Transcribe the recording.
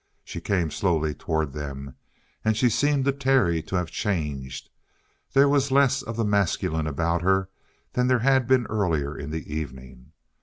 She came slowly toward them. And she seemed to Terry to have changed. There was less of the masculine about her than there had been earlier in the evening.